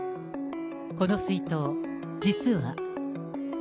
この水筒、実は。